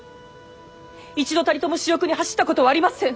一度たりとも私欲に走ったことはありません。